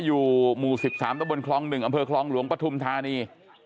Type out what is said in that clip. อยู่หมู่สิบสามต้นบนคลองหนึ่งอำเภอคลองหลวงประทุมธานี